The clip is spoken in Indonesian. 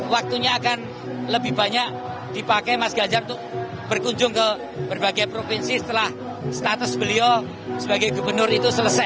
waktunya akan lebih banyak dipakai mas ganjar untuk berkunjung ke berbagai provinsi setelah status beliau sebagai gubernur itu selesai